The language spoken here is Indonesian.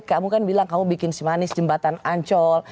kamu kan bilang kamu bikin simanis jembatan ancol